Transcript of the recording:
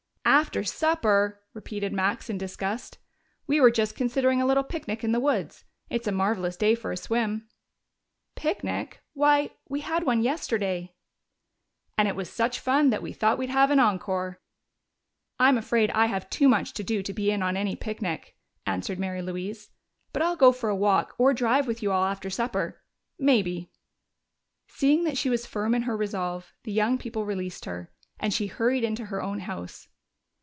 "After supper!" repeated Max in disgust. "We were just considering a little picnic in the woods. It's a marvelous day for a swim." "Picnic? Why, we had one yesterday!" "And it was such fun that we thought we'd have an encore." "I'm afraid I have too much to do to be in on any picnic," answered Mary Louise. "But I'll go for a walk or a drive with you all after supper maybe." Seeing that she was firm in her resolve, the young people released her, and she hurried into her own house.